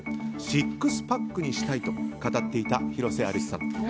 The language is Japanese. シックスパックにしたいと語っていた広瀬アリスさん。